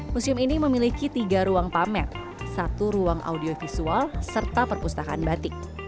museum ini memiliki tiga ruang pamer satu ruang audiovisual serta perpustakaan batik